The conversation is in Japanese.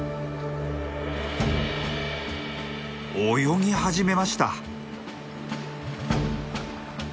泳ぎ始めました。